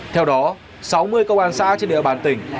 theo đó sáu mươi công an xã trên địa bàn tỉnh